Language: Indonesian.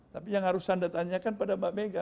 tapi yang harus anda tanyakan pada mbak mega